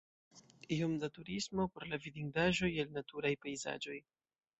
Iom da turismo pro la vidindaĵoj el naturaj pejzaĝoj.